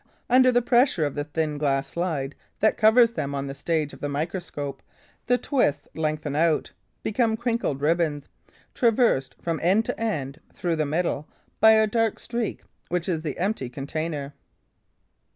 Under the pressure of the thin glass slide that covers them on the stage of the microscope, the twists lengthen out, become crinkled ribbons, traversed from end to end, through the middle, by a dark streak, which is the empty container.